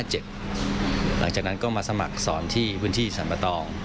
หลังจากนั้นก็มาสมัครสอนที่พื้นที่สรรปะตอง